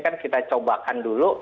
kan kita coba dulu